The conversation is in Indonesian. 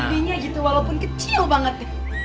babinya gitu walaupun kecil banget